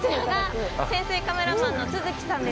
潜水カメラマンの都筑さんです。